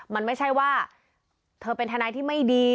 มันไม่ใช่ว่าเธอเป็นทนายที่ไม่ดี